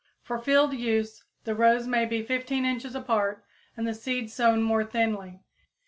For field use the rows may be 15 inches apart and the seed sown more thinly.